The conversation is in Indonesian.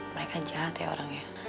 mereka jahat ya orangnya